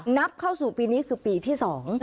นับเข้าสู่ปีนี้คือปีที่สอง